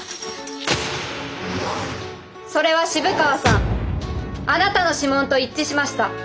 それは渋川さんあなたの指紋と一致しました。